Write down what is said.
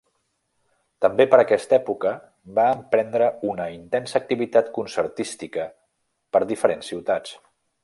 També per aquesta època, va emprendre una intensa activitat concertística per diferents ciutats.